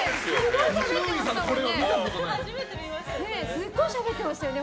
すごいしゃべってましたよね